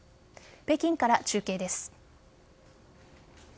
北京から中継です。